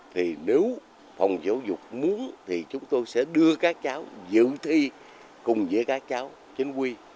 thì nếu phòng giáo dục muốn thì chúng tôi sẽ đưa các cháu dự thi cùng với các cháu chính quy